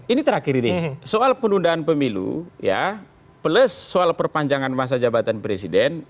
ini terakhir ini soal penundaan pemilu ya plus soal perpanjangan masa jabatan presiden